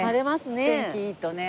天気いいとね。